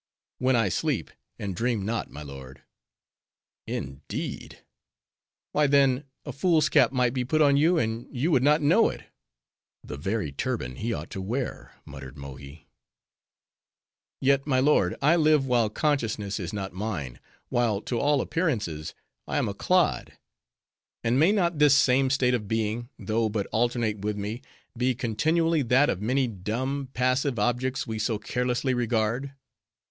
"When I sleep, and dream not, my lord." "Indeed?" "Why then, a fool's cap might be put on you, and you would not know it." "The very turban he ought to wear," muttered Mohi. "Yet, my lord, I live while consciousness is not mine, while to all appearances I am a clod. And may not this same state of being, though but alternate with me, be continually that of many dumb, passive objects we so carelessly regard?